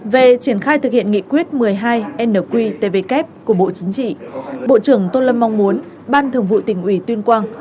về triển khai thực hiện nghị quyết một mươi hai nqtvk của bộ chính trị bộ trưởng tô lâm mong muốn ban thường vụ tỉnh ủy tuyên quang